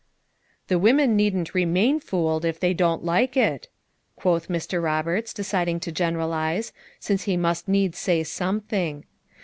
"The women needn't remain fooled if they don't like it," quoth Mr. Roberts, deciding to generalize, since he must needs say something.